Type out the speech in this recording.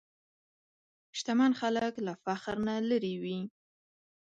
شتمن خلک له فخر نه لېرې وي.